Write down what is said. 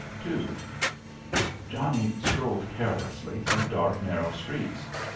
II Johnnie strolled carelessly through dark narrow streets.